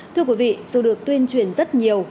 thưa quý vị dù được tuyên truyền rất nhiều